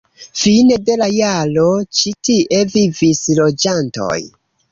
Fine de la jaro ĉi tie vivis loĝantoj.